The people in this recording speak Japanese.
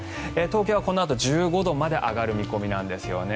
東京はこのあと１５度まで上がる見込みなんです。